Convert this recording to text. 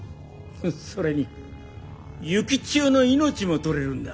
それに幸千代の命も取れるんだ。